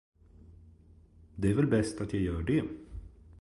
Det är väl bäst att jag gör det.